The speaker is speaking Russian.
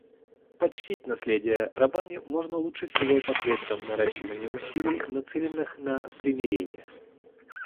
Почтить наследие профессора Раббани можно лучше всего посредством наращивания усилий, нацеленных на примирение.